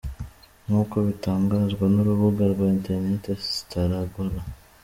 Nk’uko bitangazwa n’urubuga rwa internet staragora.